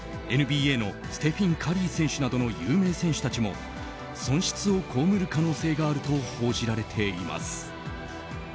ＮＢＡのステフィン・カリー選手などの有名選手たちも損失を被る可能性があると報じられています。